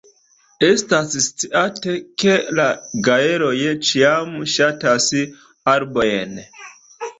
Estas sciate, ke la gaeloj ĉiam ŝatas arbojn.